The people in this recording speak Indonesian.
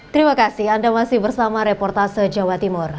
terima kasih anda masih bersama reportase jawa timur